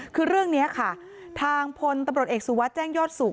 คือเรื่องนี้ค่ะทางพลตำรวจเอกสุวัสดิ์แจ้งยอดสุข